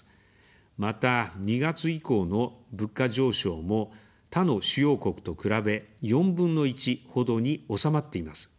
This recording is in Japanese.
また、２月以降の物価上昇も他の主要国と比べ４分の１ほどに収まっています。